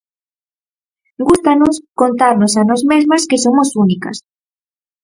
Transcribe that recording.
Gústanos contarnos a nós mesmas que somos únicas.